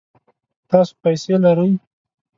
تاسو پیسې لرئ؟